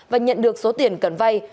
và nhận được số tiền cần vai